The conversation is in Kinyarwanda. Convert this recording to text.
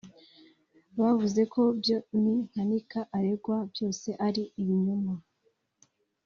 Bavuze ko ibyo Me Nkanika aregwa byose ari ibinyoma